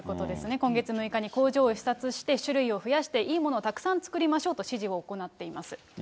今月６日に工場を視察して、種類を増やしていいものをたくさん作りましょうと、指示を行っています。